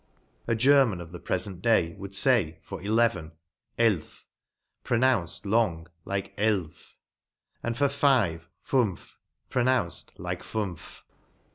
A German of the prefent day would fay for eleven, eilf, pronounced long like eilve, and for five, funf, pronounced like fuynf.